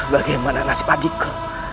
bagaimana nasib adikku